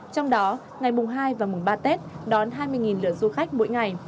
trong đó ngày mùng hai và mùng ba tết đón hai mươi lượt du khách mỗi ngày